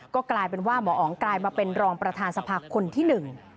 ก็กลายเป็นว่าหมออ๋องกลายมาเป็นรองประธานสภาคนที่หนึ่ง